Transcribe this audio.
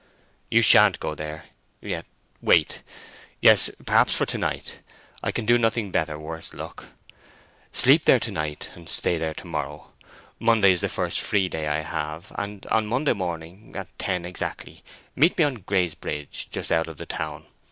"You shan't go there; yet, wait. Yes, perhaps for to night; I can do nothing better—worse luck! Sleep there to night, and stay there to morrow. Monday is the first free day I have; and on Monday morning, at ten exactly, meet me on Grey's Bridge just out of the town.